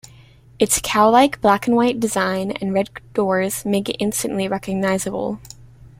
Its "cowlike" black-and-white design, and red doors, make it instantly recognizable.